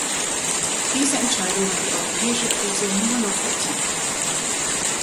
Diese Entscheidung hat die europäische Krise nur noch vertieft.